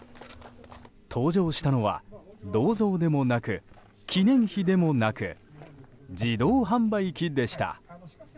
登場したのは銅像でもなく記念碑でもなく自動販売機でした。